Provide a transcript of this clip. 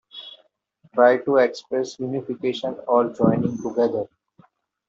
Try to express unification or joining together.